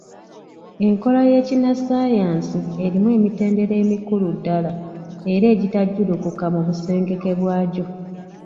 Enkola y’ekinnassaayansi erimu emitendera emikulu ddala era, egitajjulukuka mu busengeke bwagyo.